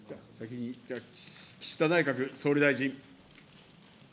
岸田内閣総理大臣。